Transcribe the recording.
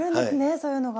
そういうのが。